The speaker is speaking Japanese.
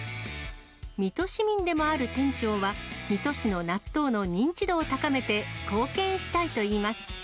水戸市民でもある店長は、水戸市の納豆の認知度を高めて、貢献したいといいます。